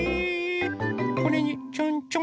これにちょんちょん。